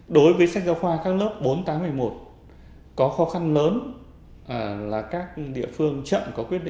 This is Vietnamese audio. đối với sách giáo khoa các lớp bốn tám một mươi một có khó khăn lớn là các địa phương chậm